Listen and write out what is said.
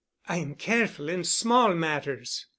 I am careful in small matters.